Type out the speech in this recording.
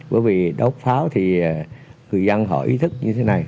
bởi vì đốt pháo thì người dân họ ý thức như thế này